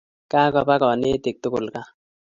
Kakopa kanetik tukuk kaa.